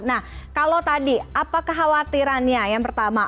nah kalau tadi apa kekhawatirannya yang pertama